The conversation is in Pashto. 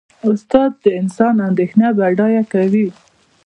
استاد د انسان اندیشه بډایه کوي.